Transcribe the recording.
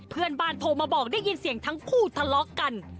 เพื่อนบ้านโทรมาบอกได้ยินเสียงทั้งคู่ทะเลาะกัน